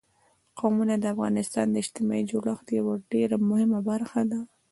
قومونه د افغانستان د اجتماعي جوړښت یوه ډېره مهمه برخه ده.